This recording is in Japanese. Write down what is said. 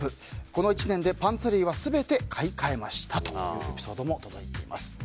この１年でパンツ類は全て買い換えましたというエピソードも届いています。